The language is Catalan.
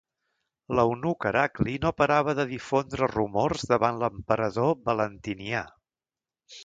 L'eunuc Heracli no parava de difondre rumors davant l'emperador Valentinià.